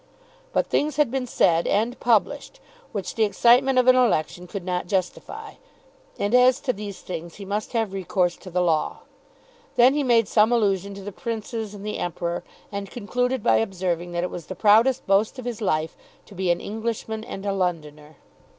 But things had been said, and published, which the excitement of an election could not justify, and as to these things he must have recourse to the law. Then he made some allusion to the Princes and the Emperor, and concluded by observing that it was the proudest boast of his life to be an Englishman and a Londoner.